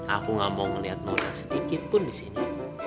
aku gak mau melihat moda sedikit pun disini